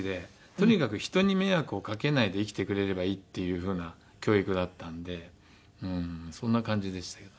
とにかく人に迷惑をかけないで生きてくれればいいっていうふうな教育だったんでそんな感じでしたけどね。